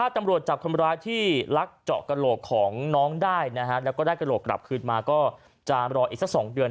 ได้แกโรคกลับคืนมาก็จะรออีก๒เดือน